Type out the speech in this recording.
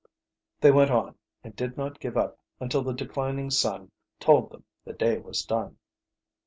They went on, and did not give up until the declining sun told them the day was done.